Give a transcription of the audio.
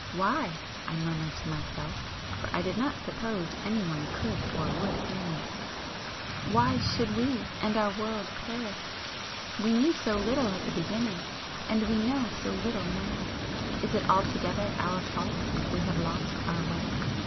"Why," I murmured to myself, for I did not suppose anyone could or would hear me "why should we and our world perish? We knew so little at the beginning, and we know so little now, is it altogether our fault if we have lost our way?"